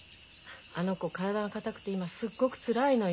あの子体が硬くて今すっごくつらいのよ。